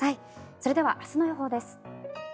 それでは明日の予報です。